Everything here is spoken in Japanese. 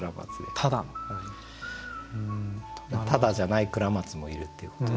ただじゃない倉松もいるっていうことで。